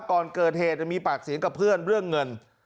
ก่อนเกิดเหตุมีปากเสียงกับเพื่อนเรื่องเงิน